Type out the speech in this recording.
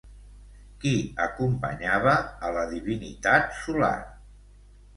Qui acompanyava a la divinitat solar?